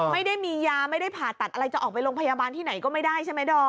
ไม่ได้มียาไม่ได้ผ่าตัดอะไรจะออกไปโรงพยาบาลที่ไหนก็ไม่ได้ใช่ไหมดอม